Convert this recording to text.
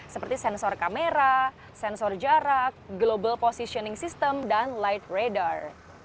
seperti sensor kamera sensor jarak global positioning system dan light radar